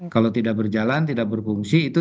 kalau tidak berjalan tidak berfungsi itu